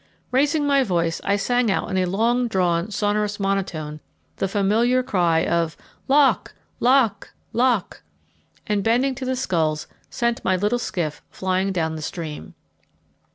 Raising my voice, I sang out in a long drawn, sonorous monotone the familiar cry of "Lock! lock! lock!" and, bending to the sculls, sent my little skiff flying down stream.